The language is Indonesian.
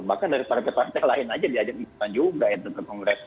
bahkan dari para ketua ketua lain aja diajak juga itu